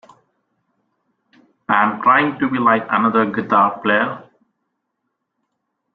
I'm trying to be like another guitar player.